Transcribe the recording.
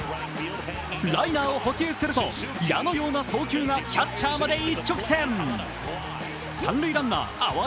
ライナーを捕球すると矢のような送球がキャッチャーまで一直線。